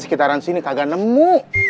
sekitaran sini kagak nemu